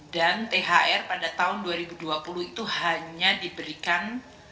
dan thr pada tahun dua ribu dua puluh itu hanya diberikan